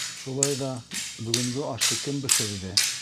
Шулай ҙа бөгөнгө ашты кем бешерҙе?